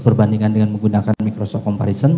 perbandingan dengan menggunakan microsoft comparison